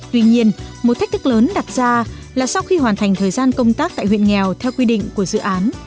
tuy nhiên một thách thức lớn đặt ra là sau khi hoàn thành thời gian công tác tại huyện nghèo theo quy định của dự án